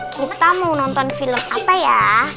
kita mau nonton film apa ya